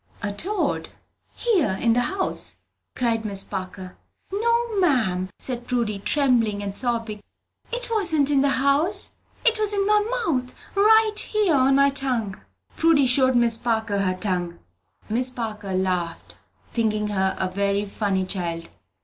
"A toad here in the house!" cried Miss Parker. "No, ma'am," said Prudy, trembling and sobbing. "It wasn't in the house, it was in my mouth, right here on my tongue." Prudy showed Miss Parker her tongue. Miss Parker laughed, thinking her a very funny child.